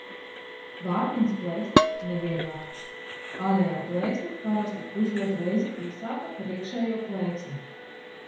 Vārpiņas plēksnes nevienādas, ārējā plēksne parasti pusotrreiz īsāka par iekšējo plēksni.